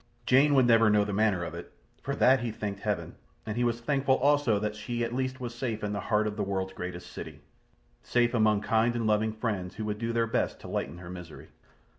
Jane would never know the manner of it. For that he thanked Heaven; and he was thankful also that she at least was safe in the heart of the world's greatest city. Safe among kind and loving friends who would do their best to lighten her misery.